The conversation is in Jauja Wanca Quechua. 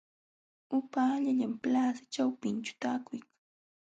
Upaallallaam plaza ćhawpinćhu taakuykan.